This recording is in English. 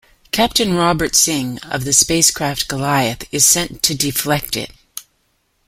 Captain Robert Singh of the spacecraft "Goliath" is sent to deflect it.